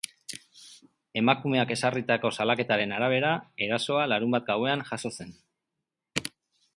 Emakumeak ezarritako salaketaren arabera, erasoa larunbat gauean jazo zen.